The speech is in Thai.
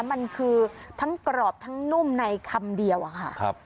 มันคือทั้งกรอบทั้งนุ่มในคำเดียวอะค่ะ